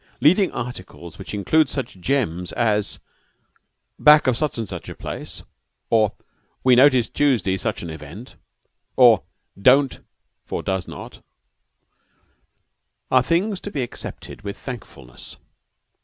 Leading articles which include gems such as "Back of such and such a place," or, "We noticed, Tuesday, such an event," or, "don't" for "does not," are things to be accepted with thankfulness.